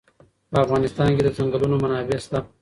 په افغانستان کې د چنګلونه منابع شته.